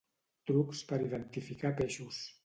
Trucs per identificar peixos